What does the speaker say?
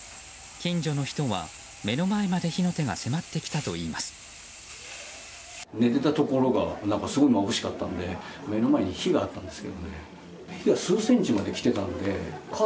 近所の人は、目の前まで火の手が迫ってきたといいます。